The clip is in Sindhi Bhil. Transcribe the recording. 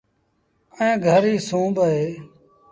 ائيٚݩ گھر ريٚ سُون با اهي۔